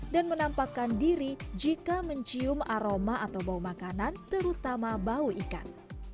dan menampakkan diri jika mencium aroma atau bau makanan terutama bau ikan